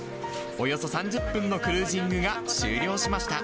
およそ３０分のクルージングが終了しました。